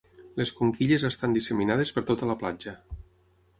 Les conquilles estan disseminades per tota la platja.